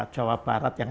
jawa barat yang